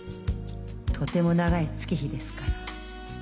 とても長い月日ですから。